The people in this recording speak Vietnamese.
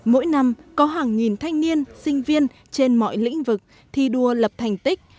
mỗi năm có hàng nghìn thanh niên sinh viên trên mọi lĩnh vực thi đua lập thành tích